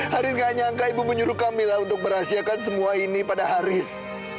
haris gak nyangka ibu menyuruh kamila untuk merahsiakan semua ini pada haris